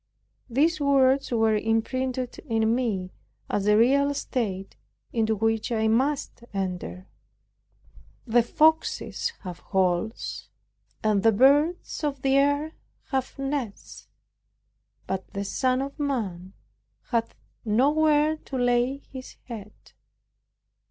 These words were imprinted in me, as a real state into which I must enter, (Matt. 8:20) "The foxes have holes, and the birds of the air have nests, but the Son of Man hath not where to lay his head."